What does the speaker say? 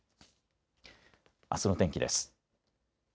あすの天気です。